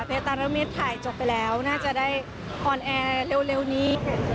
ตารเมษถ่ายจบไปแล้วน่าจะได้ออนแอร์เร็วนี้